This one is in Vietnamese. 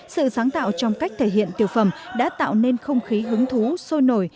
sự sáng tạo trong cách thể hiện tiểu phẩm đã tạo nên không khí hứng thú sôi nổi